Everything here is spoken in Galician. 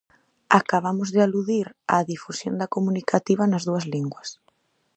Acabamos de aludir á difusión da comunicativa nas dúas linguas.